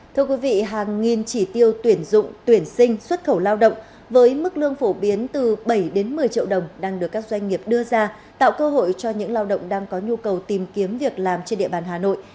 thưa quý vị hàng nghìn chỉ tiêu tuyển dụng tuyển sinh xuất khẩu lao động với mức lương phổ biến từ bảy đến một mươi triệu đồng đang được các doanh nghiệp đưa ra tạo cơ hội cho những lao động đang có nhu cầu tìm kiếm việc làm trên địa bàn hà nội